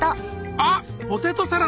あっポテトサラダだ。